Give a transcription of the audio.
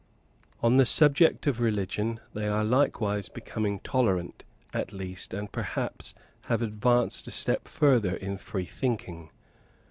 On the subject of religion they are likewise becoming tolerant, at least, and perhaps have advanced a step further in free thinking.